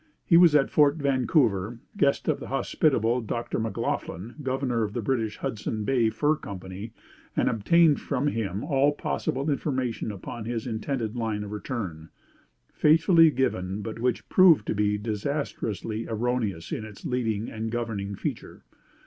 He was at Fort Vancouver, guest of the hospitable Dr. McLaughlin, Governor of the British Hudson Bay Fur Company; and obtained from him all possible information upon his intended line of return faithfully given, but which proved to be disastrously erroneous in its leading and governing feature.